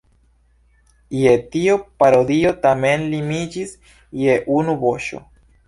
Je tio parodio tamen limiĝis je unu voĉo.